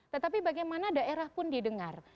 tetapi bagaimana daerah pun didengar